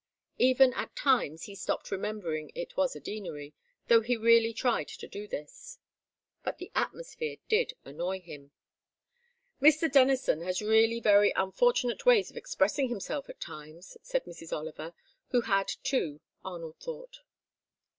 Even at times he stopped remembering it was a Deanery, though he really tried to do this. But the atmosphere did annoy him. "Mr. Denison has really very unfortunate ways of expressing himself at times," said Mrs. Oliver, who had too, Arnold thought.